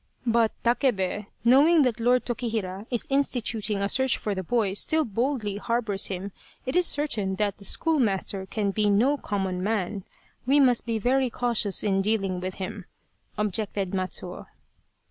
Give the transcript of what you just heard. " But Takebe, knowing that Lord Tokihira is in stituting a search for the boy, still boldly harbours him it is certain that the schoolmaster can be no common man we must be very cautious in dealing with him," objected Matsuo.